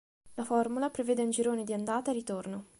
La formula prevede un girone di andata e ritorno.